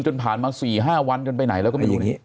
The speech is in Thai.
จนผ่านมา๔๕วันจนไปไหนแล้วก็ไม่รู้